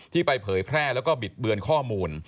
ไปเผยแพร่แล้วก็บิดเบือนข้อมูล